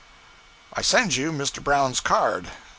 I send you Mr. Brown's card.